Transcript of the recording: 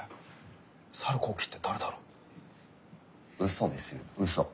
嘘ですよ嘘。